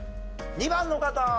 ２番の方。